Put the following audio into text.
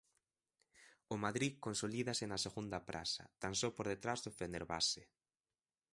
O Madrid consolídase na segunda praza, tan só por detrás do Fenerbahce.